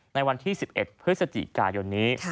ในวันที่๑๑พฤศจิกายนนี้